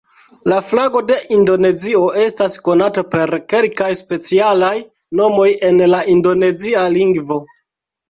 La flago de Indonezio estas konata per kelkaj specialaj nomoj en la indonezia lingvo.